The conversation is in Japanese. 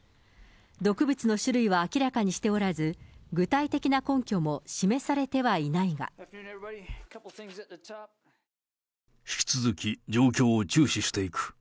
毒物の種類は明らかにしておらず、具体的な根拠も示されてはいない引き続き、状況を注視していく。